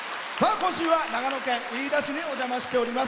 今週は長野県飯田市にお邪魔しております。